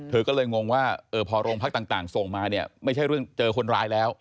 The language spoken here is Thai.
เธอก็เลยงงว่าพอโรงพักต่างส่งมาเนี่ยไม่ใช่เรื่องเจอคนร้ายแล้ว